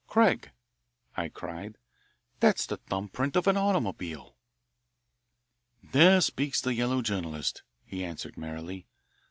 "Craig," I cried, "that's the thumb print of an automobile." "There speaks the yellow journalist," he answered merrily.